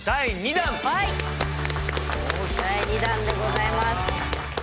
第２弾でございます。